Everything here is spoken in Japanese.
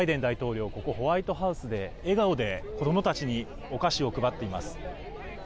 バイデン大統領、ここホワイトハウスで、笑顔で子どもたちにお菓子を配っています。